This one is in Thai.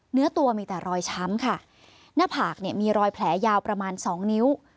เนื้อตัวมีแต่รอยช้ำค่ะหน้าผากเนี่ยมีรอยแผลยาวประมาณสองนิ้ว